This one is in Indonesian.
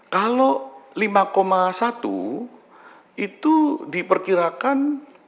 kalau lima satu itu diperkirakan